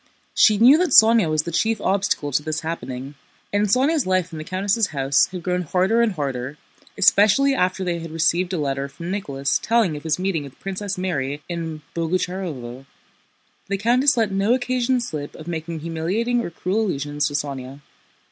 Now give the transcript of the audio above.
She knew that Sónya was the chief obstacle to this happening, and Sónya's life in the countess' house had grown harder and harder, especially after they had received a letter from Nicholas telling of his meeting with Princess Mary in Boguchárovo. The countess let no occasion slip of making humiliating or cruel allusions to Sónya.